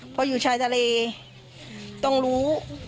เพราะอยู่ชายทะเลต้องรู้